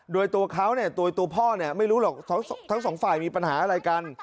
โดยตัวเขาเนี่ยตัวพ่อเนี่ยไม่รู้หรอกทั้งสองฝ่ายมีปัญหาอะไรกัน